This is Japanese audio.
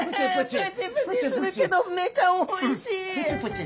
プチプチするけどめちゃおいしい！プチプチ！